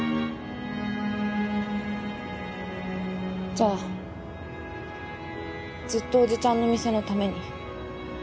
じゃあずっと叔父ちゃんの店のために？